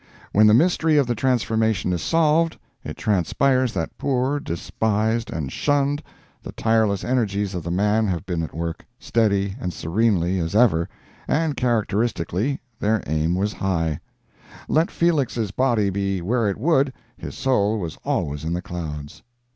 When the mystery of the transformation is solved, it transpires that poor, despised and shunned, the tireless energies of the man have been at work, steady and serenely as ever—and characteristically, their aim was high; let Felix's body be where it would, his soul was always in the clouds!